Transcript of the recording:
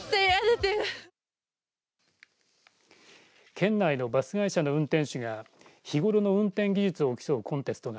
県内のバス会社の運転手が日頃の運転技術を競うコンテストが